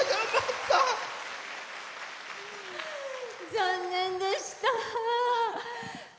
残念でした！